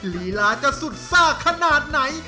ลีลาจะสุดซ่าขนาดไหน